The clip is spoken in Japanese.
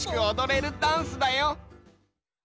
おどれるダンスだよ。